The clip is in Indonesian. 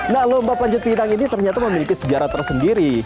nah lomba panjat pinang ini ternyata memiliki sejarah tersendiri